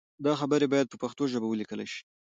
دا خبرې باید په پښتو ژبه ولیکل شي.